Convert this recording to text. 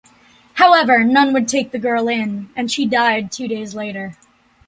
However, none would take the girl in and she died two days later.